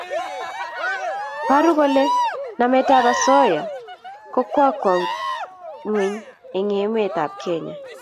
paru kole namet ab asoya ko kokwo ngweny eng emet ab kenya